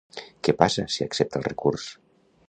Què passa si accepta el recurs?